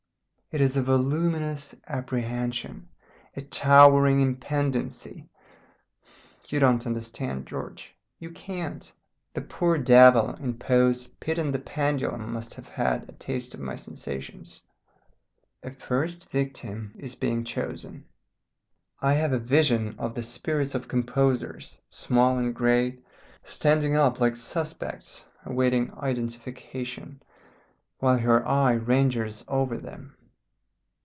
It is a voluminous apprehension, a towering impendency. You don't understand, George. You can't. The poor devil in Poe's 'Pit and the Pendulum' must have had a taste of my sensations. A first victim is being chosen. I have a vision of the spirits of composers small and great standing up like suspects awaiting identification, while her eye ranges over them.